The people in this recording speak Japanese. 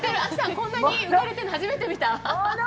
こんなに浮かれてるの初めて見た。